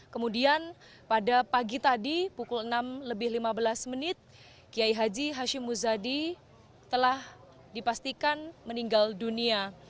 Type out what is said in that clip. kemudian pada pagi tadi pukul enam lebih lima belas menit kiai haji hashim muzadi telah dipastikan meninggal dunia